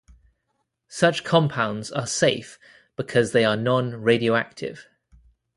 Such compounds are safe because they are non-radioactive.